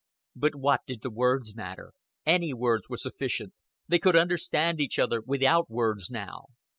But what did the words matter? Any words were sufficient. They could understand each other without words now.